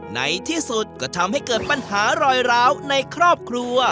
ในที่สุดก็ทำให้เกิดปัญหารอยร้าวในครอบครัว